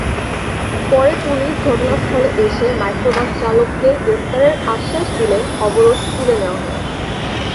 পরে পুলিশ ঘটনাস্থলে এসে মাইক্রোবাসচালককে গ্রেপ্তারের আশ্বাস দিলে অবরোধ তুলে নেওয়া হয়।